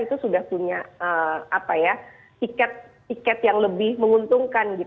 itu sudah punya tiket yang lebih menguntungkan